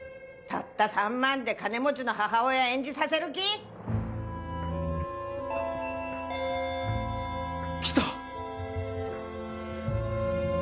たった３万で金持ちの母親演じさせる気！？来た！